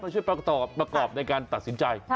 ช่วยประกอบในการตัดสินใจ